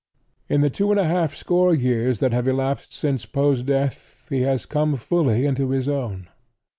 In the two and a half score years that have elapsed since Poe's death he has come fully into his own.